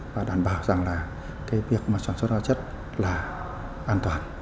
và đảm bảo rằng việc soạn xuất hóa chất là an toàn